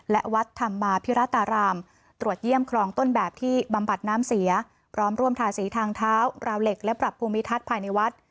และวัดธรรมาภิรัตรารามตรวจเยี่ยมครองต้นแบบที่บำบัดน้ำเสียพร้อมร่วมทาสีทางเท้าราวเหล็กและปรับภูมิทัศน์ภายในวัด